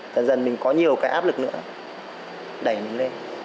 dần dần mình có nhiều cái áp lực nữa đẩy mình lên